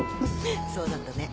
そうだったね。